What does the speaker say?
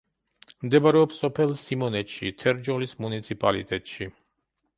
მდებარეობს სოფელ სიმონეთში თერჯოლის მუნიციპალიტეტში.